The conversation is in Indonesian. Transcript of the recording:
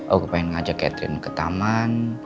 aku pengen ngajak catherine ke taman